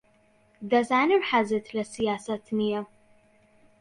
دەزانم حەزت لە سیاسەت نییە.